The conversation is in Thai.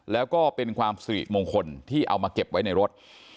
แล้วก็เป็นความสิริมงคลที่เอามาเก็บไว้ในรถ